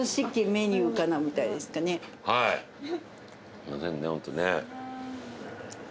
すいませんねホントね。